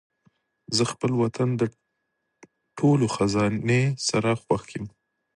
زه خپل وطن د ټولو خزانې سره خوښ یم.